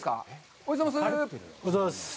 おはようございます。